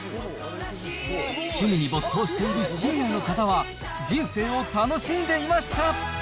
趣味に没頭しているシニアの人は、人生を楽しんでいました。